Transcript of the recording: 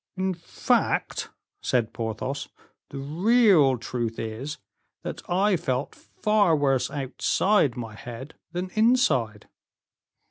"In fact," said Porthos, "the real truth is, that I felt far worse outside my head than inside.